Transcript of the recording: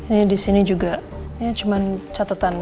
ya ini disini juga ini cuma catatan